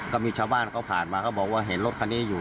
ก็มีชาวบ้านเขาผ่านมาเขาบอกว่าเห็นรถคันนี้อยู่